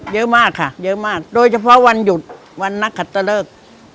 เยอะมากค่ะเยอะมากโดยเฉพาะวันหยุดวันนักขัดตะเลิก